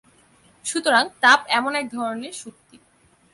সুতরাং তাপ এমন এক ধরনের শক্তি।